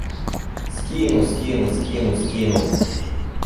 Скину, скину, скину, скину!